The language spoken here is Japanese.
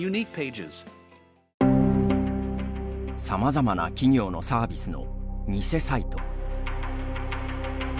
さまざまな企業のサービスの偽サイト。